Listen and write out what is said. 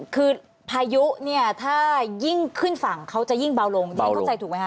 คือพายุถ้ายิ่งขึ้นฝั่งเขาจะยิ่งเบาลงที่นี่เข้าใจถูกไหมครับ